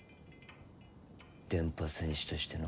電波戦士としての？